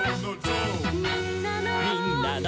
「みんなの」